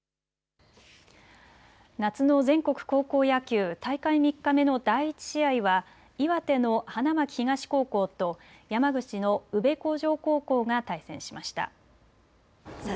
夏の全国高校野球、大会３日目の第１試合は岩手の花巻東高校と山口の宇部鴻城高校が対戦しました。